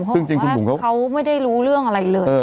ซึ่งจริงพี่บุ๋มเขาบอกว่าเขาไม่ได้รู้เรื่องอะไรเลย